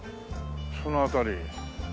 その辺り。